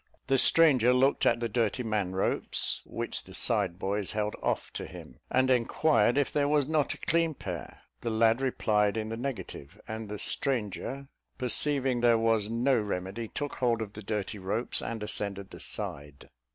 The stranger looked at the dirty man ropes, which the side boys held off to him, and inquired if there was not a clean pair? The lad replied in the negative; and the stranger perceiving there was no remedy, took hold of the dirty ropes and ascended the side.